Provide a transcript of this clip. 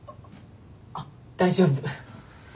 あっ大丈夫。